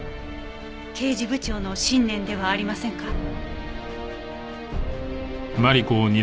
刑事部長の信念ではありませんか？